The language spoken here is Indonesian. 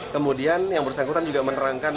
kemudian yang bersangkutan juga menerangkan